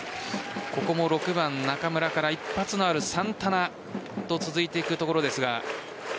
ここも６番・中村から一発のあるサンタナと続いていくところですが。